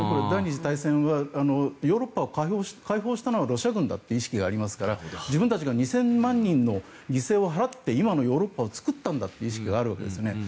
第２次大戦でヨーロッパを解放したのはロシア軍だという意識がありますから自分たちが２０００万人の犠牲を払って今のヨーロッパを作ったんだという意識があるわけですね。